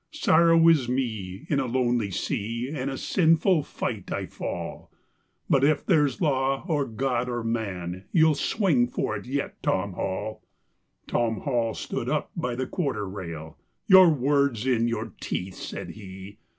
Sorrow is me, in a lonely sea and a sinful fight I fall, But if there's law o' God or man you'll swing for it yet, Tom Hall!" Tom Hall stood up by the quarter rail. "Your words in your teeth," said he.